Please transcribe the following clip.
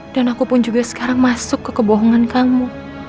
dan aku pun juga sekarang masuk ke kebohongan kamu